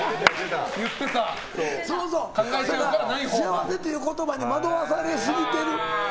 幸せっていう言葉に惑わされすぎてる。